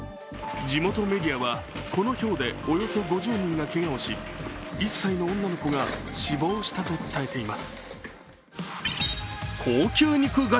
地元メディアは、このひょうでおよそ５０人がけがをし１歳の女の子が死亡したと伝えています。